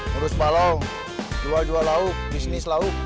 ngurus balong jual jual lauk bisnis lauk